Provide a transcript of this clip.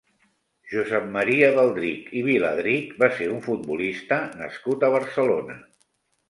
Josep Maria Baldrich i Viladrich va ser un futbolista nascut a Barcelona.